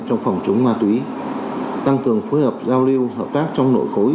trong phòng chống ma túy tăng cường phối hợp giao lưu hợp tác trong nội khối